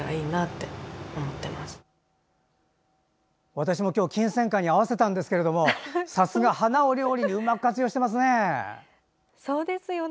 私も今日、キンセンカに合わせたんですけどさすが、花を料理にうまく活用していますね。